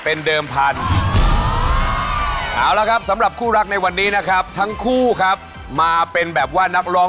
ขอต้อนรับเข้าสู่แรกการที่หวานที่สุดแห่งปีนี้นะครับ